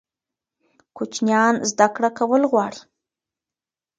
کوچنیان زده کړه کول غواړي.